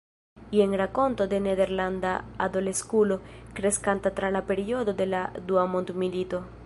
Jen rakonto de nederlanda adoleskulo, kreskanta tra la periodo de la dua mondmilito.